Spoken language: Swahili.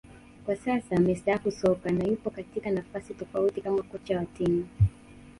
Kwa sasa amestaafu soka na yupo katika nafasi tofauti kama kocha wa timu